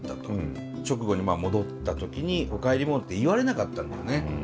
直後に戻った時に「おかえりモネ」って言われなかったんだよね。